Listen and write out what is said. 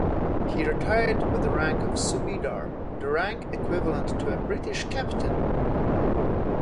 He retired with the rank of subedar, the rank equivalent to a British captain.